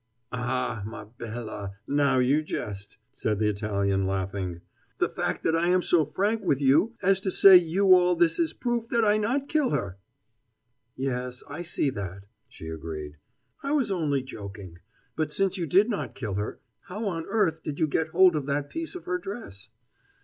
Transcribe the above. "Ah, ma bella, now you jest," said the Italian, laughing. "The fact that I am so frank with you as to say you all this is proof that I not kill her." "Yes, I see that," she agreed. "I was only joking. But since you did not kill her, how on earth did you get hold of that piece of her dress?"